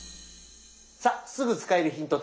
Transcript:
さあすぐ使えるヒント